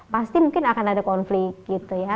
pasti mungkin akan ada konflik gitu ya